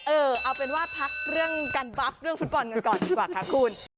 เออเอาเป็นว่าพักเรื่องการบัฟเรื่องฟุตบอลกันก่อนดีกว่าค่ะคุณ